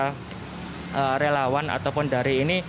para relawan ataupun dari ini